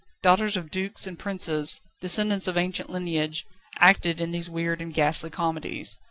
Daughters of dukes and princes, descendants of ancient lineage, acted in these weird and ghastly comedies.